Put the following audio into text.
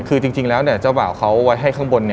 คือจริงแล้วเจ้าบ่าวเขาไว้ให้ข้างบน